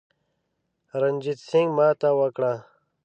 رنجیټ سینګه ماته وکړه.